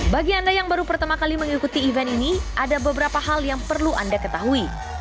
bagi anda yang baru pertama kali mengikuti event ini ada beberapa hal yang perlu anda ketahui